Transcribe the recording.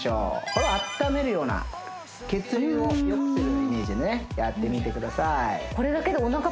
これはあっためるような血流をよくするイメージでねやってみてください